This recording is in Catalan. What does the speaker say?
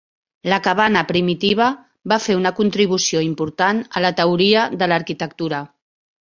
La cabana primitiva va fer una contribució important a la teoria de l'arquitectura.